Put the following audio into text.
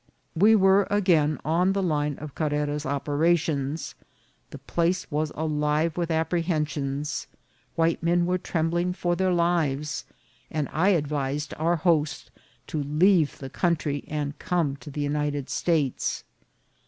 We were again on the line of Carrera's operations ; the place was alive with apprehensions; white men were trembling for their lives ; and I advised our host to leave the country and come to the United States.